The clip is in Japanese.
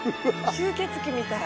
吸血鬼みたい。